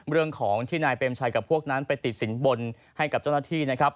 เรื่องของที่นายเปรมชัยกับพวกนั้นไปติดสินบนให้กับเจ้าหน้าที่นะครับ